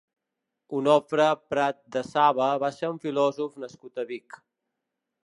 Onofre Pratdesaba va ser un filòsof nascut a Vic.